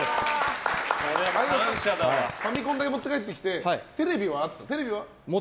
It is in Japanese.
ファミコンだけ持って帰ってきてテレビは？